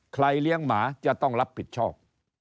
เลี้ยงหมาจะต้องรับผิดชอบ